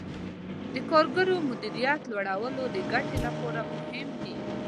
د کارګرو مولدیت لوړول د ګټې لپاره مهم دي.